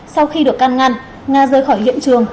sau khi được can ngăn ngà rơi khỏi hiện trường